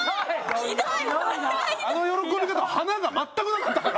あの喜び方は華が全くなかったから。